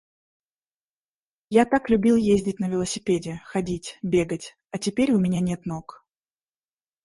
Я так любил ездить на велосипеде, ходить, бегать, а теперь у меня нет ног.